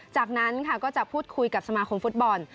จากนั้นค่ะก็จะพูดคุยกับสมาคมฟุตบอล